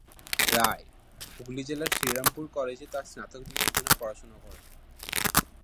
রায়, হুগলি জেলার শ্রীরামপুর কলেজে, তার স্নাতক ডিগ্রির জন্য পড়াশোনা করেন।